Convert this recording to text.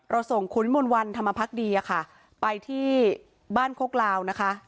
ส่งคุณมนต์วันธรรมพักดีอะค่ะไปที่บ้านโคกลาวนะคะ